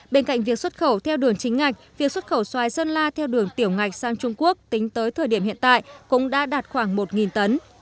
bên cạnh việc xuất khẩu theo đường chính ngạch việc xuất khẩu xoài sơn la theo đường tiểu ngạch sang trung quốc tính tới thời điểm hiện tại cũng đã đạt khoảng một tấn